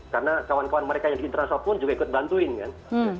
karena kawan kawan mereka yang di internasional pun juga ikut membantu kan